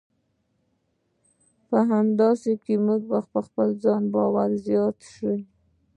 همداسې که مو په خپل ځان باور زیات شو.